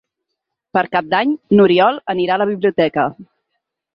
Per Cap d'Any n'Oriol anirà a la biblioteca.